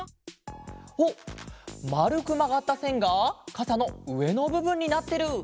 あっまるくまがったせんがかさのうえのぶぶんになってる！